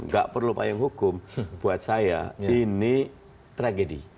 gak perlu payung hukum buat saya ini tragedi